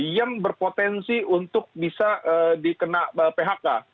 yang berpotensi untuk bisa dikena phk